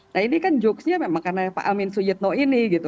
nah ini kan jokesnya memang karena pak amin suyitno ini gitu